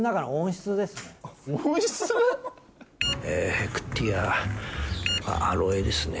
ヘクティアアロエですね。